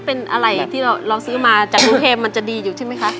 เป็นอะไรที่เราซื้อมาจากกรุงเทพมันจะดีอยู่ใช่ไหมคะ